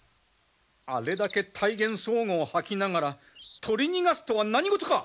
あれだけ大言壮語を吐きながら取り逃がすとは何事か！